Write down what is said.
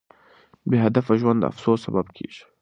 بې هدفه ژوند د افسوس سبب کیږي.